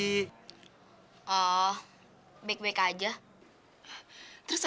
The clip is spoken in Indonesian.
dari mama baik baik ya